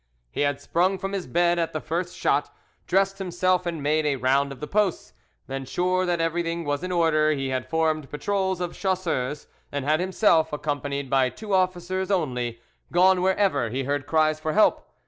He had sprung from his bed at the first shot, dressed himself, and made a round of the posts; then sure that everything was in order, he had formed patrols of chasseurs, and had himself, accompanied by two officers only, gone wherever he heard cries for help.